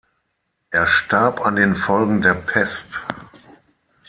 Er starb an den Folgen der Pest.